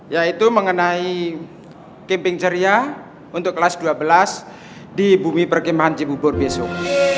ya itu mengenai camping ceria untuk kelas dua belas di bumi perkimahan cibubur besok